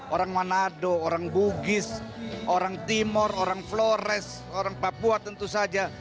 orang manado orang bugis orang timur orang flores orang papua tentu saja